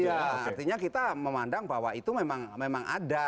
iya artinya kita memandang bahwa itu memang ada